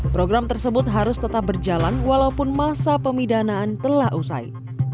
program tersebut harus tetap berjalan walaupun masa pemidanaan telah usai